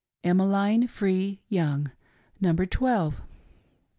28I EMMELINE FREE YOUNG. , [Number Twelve.